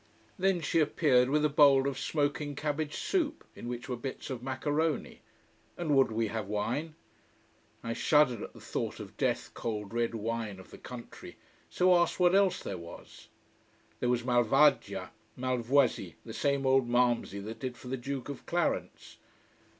Then she appeared with a bowl of smoking cabbage soup, in which were bits of macaroni: and would we have wine? I shuddered at the thought of death cold red wine of the country, so asked what else there was. There was malvagia malvoisie, the same old malmsey that did for the Duke of Clarence.